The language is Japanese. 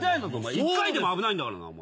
１回でも危ないんだからなお前。